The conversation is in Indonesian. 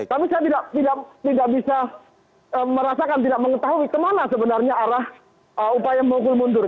tapi saya tidak bisa merasakan tidak mengetahui kemana sebenarnya arah upaya memukul mundur